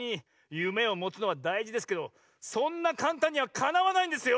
夢をもつのはだいじですけどそんなかんたんにはかなわないんですよ！